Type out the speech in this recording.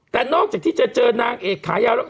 แต่นอกจากที่จะเจอนางเอกขายาวแล้ว